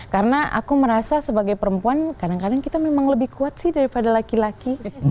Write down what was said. karena aku merasa sebagai perempuan kadang kadang kita memang lebih kuat sih daripada laki laki